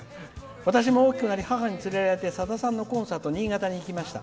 私も大きくなり母に連れられさださんのコンサート、新潟に行きました。